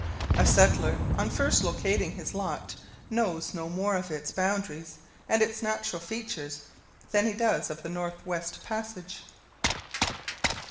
A settler on first locating on his lot knows no more of its boundaries and its natural features than he does of the northwest passage.